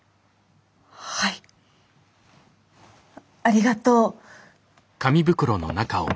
はいありがとう。